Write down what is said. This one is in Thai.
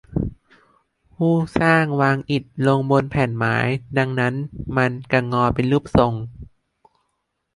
ผู้สร้างวางอิฐลงบนแผ่นไม้ดังนั้นมันจะงอเป็นรูปทรง